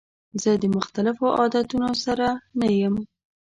زه د مختلفو عادتونو سره نه یم.